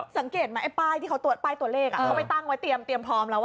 สังเกตไหมไอ้ป้ายที่เขาป้ายตัวเลขเขาไปตั้งไว้เตรียมพร้อมแล้ว